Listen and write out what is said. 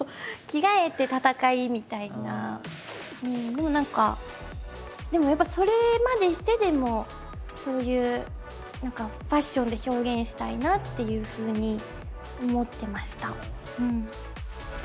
でも何かでもやっぱりそれまでしてでもそういうファッションで表現したいなっていうふうに思ってました。